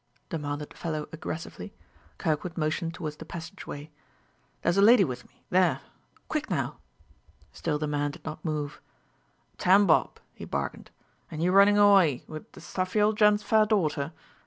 demanded the fellow aggressively. Kirkwood motioned toward the passageway. "There's a lady with me there. Quick now!" Still the man did not move. "Ten bob," he bargained; "an' you runnin' awye with th' stuffy ol' gent's fair darter?